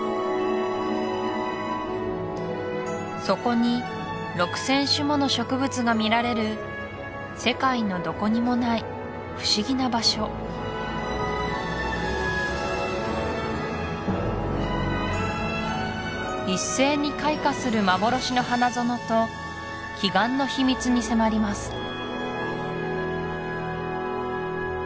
そこに６０００種もの植物がみられる世界のどこにもない不思議な場所一斉に開花する幻の花園と奇岩の秘密に迫ります